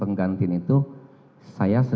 saya akan mencoba untuk mencoba